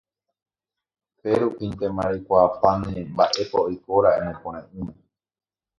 pérupintema reikuaapáne mba'épa oikóra'e ne pore'ỹme